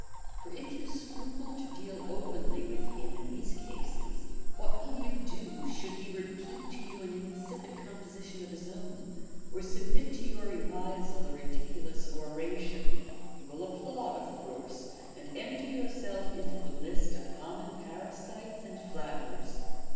For if you scruple to deal openly with him in these cases, what will you do, should he repeat to you an insipid composition of his own, or submit to your revisal a ridiculous oration ] You will applaud, of course, and enter yourself into the list of common parasites and flatterers